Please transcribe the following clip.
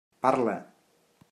Parla!